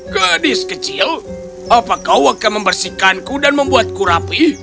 gadis kecil apa kau akan membersihkanku dan membuatku rapi